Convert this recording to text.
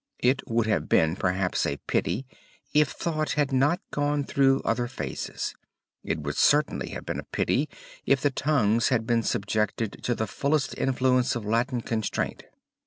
It would have been perhaps a pity if thought had not gone through other phases; it would certainly have been a pity if the tongues had been subjected to the fullest influence of Latin constraint.